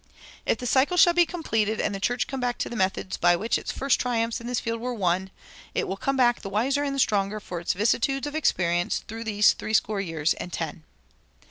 If the cycle shall be completed, and the church come back to the methods by which its first triumphs in this field were won, it will come back the wiser and the stronger for its vicissitudes of experience through these threescore years and ten.